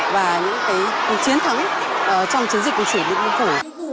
và chiến thắng trong chiến dịch của chủ tịch hồ chí minh phủ